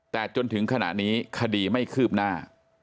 แต่จนถึงขณะนี้คดีไม่คืบหน้า